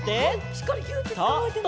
しっかりぎゅってつかまってね。